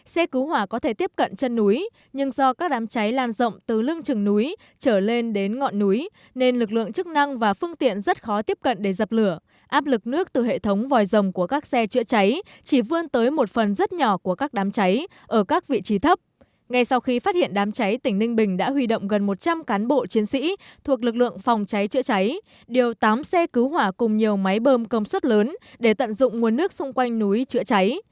xe cứu hỏa cùng nhiều máy bơm công suất lớn để tận dụng nguồn nước xung quanh núi chữa cháy